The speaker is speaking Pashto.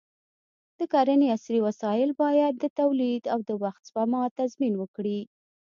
د کرنې عصري وسایل باید د تولید او د وخت سپما تضمین وکړي.